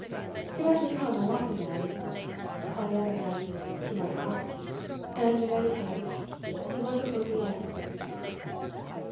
He might become a wealthy man; on the other hand, he might not; and in any case he was a plebeian.